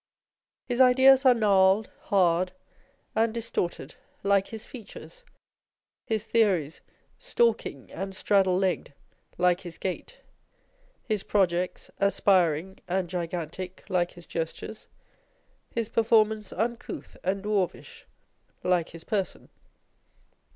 His ideas are gnarled, hard, and distorted, like his features â€" his theories stalking and straddle legged, like his gait â€" his projects aspiring and gigantic, like his gestures â€" his performance uncouth and dwarfish, like his person.